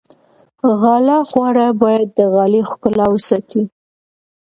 غاله خواره باید د غالۍ ښکلا وساتي.